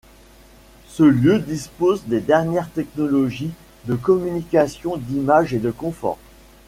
Ce lieu dispose des dernières technologies de communication d'image et de confort.